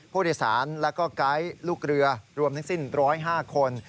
ผู้โดยสารและก็ไก๊ลูกเรือรวมทั้งสิ้น๑๐๕คน